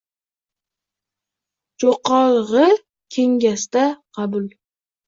Jo‘qorg‘i Kengesda qabul